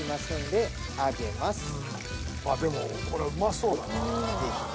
「でもこれうまそうだな」